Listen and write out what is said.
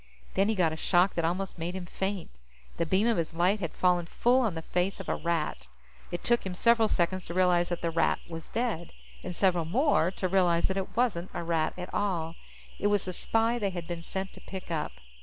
Then he got a shock that almost made him faint. The beam of his light had fallen full on the face of a Rat. It took him several seconds to realize that the Rat was dead, and several more to realize that it wasn't a Rat at all. It was the spy they had been sent to pick up.